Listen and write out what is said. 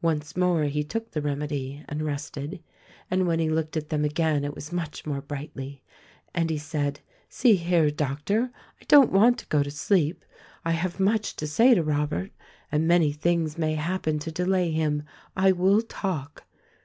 Once more he took the remedy and rested ; and when he looked at them again it was much more brightly, and he said, "See here, Doctor, I don't want to go to sleep. I have much to say to Robert, and many things may happen to delay him. I will talk.